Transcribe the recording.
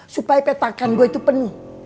supaya petakan gue itu penuh